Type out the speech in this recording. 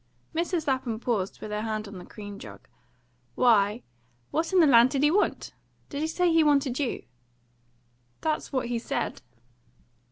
Mrs. Lapham paused, with her hand on the cream jug. "Why, what in the land did he want? Did he say he wanted you?" "That's what he said."